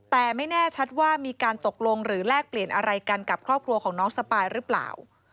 แต่ไม่แน่ชัดว่ามีการตกลงหรือแลกเปลี่ยนอะไรกันกับครอบครัวของน้องสปายหรือเปล่า